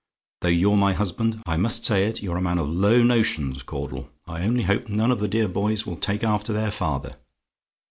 though you're my husband, I must say it you're a man of low notions, Caudle. I only hope none of the dear boys will take after their father!